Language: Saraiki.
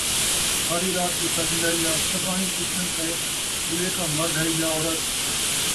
ساری رات قصہ تھین٘دا ریہا ، صباحیں پچھن پئے زلیخا مرد ہئی یا عورت